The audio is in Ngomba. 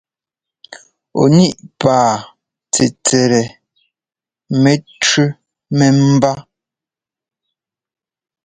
Ɔ níꞋ paa tsɛtsɛt mɛtʉ́ mɛ́mbá.